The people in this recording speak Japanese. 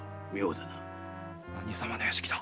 何様の屋敷だ？